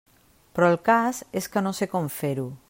Però el cas és que no sé com fer-ho!